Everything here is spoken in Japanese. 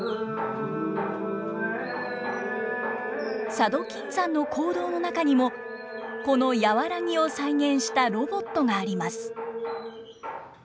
佐渡金山の坑道の中にもこの「やわらぎ」を再現したロボットがあります。